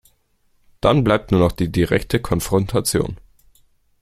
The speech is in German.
Dann bleibt nur noch die direkte Konfrontation.